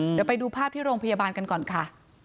เดี๋ยวไปดูภาพที่โรงพยาบาลกันก่อนค่ะ